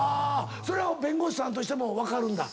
それは弁護士さんとしても分かるんだ？